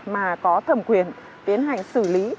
mà có thẩm quyền tiến hành xử lý